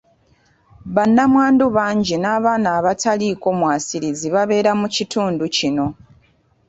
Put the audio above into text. Bannamwandu bangi n'abaana abataliiko mwasirizi babeera mu kitundu kino.